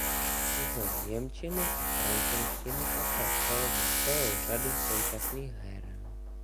Z němčiny a francouzštiny také přeložil celou řadu současných her.